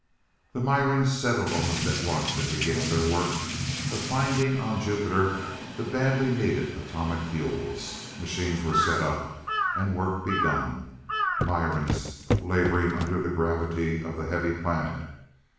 The Mirans settled almost at once, and began their work of finding on Jupiter the badly needed atomic fuels. Machines were set up, and work begun, Mirans laboring under the gravity of the heavy planet.